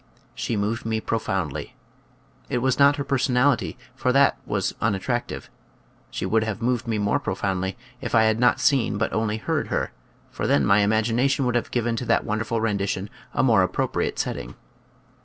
She moved me pro foundly. It was not her personality, for that was unattractive. She would have moved me more profoundly if I had not seen but only heard her, for then my imagination would have given to that wonderful rendition a more appropriate setting.